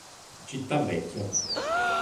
Città vecchia.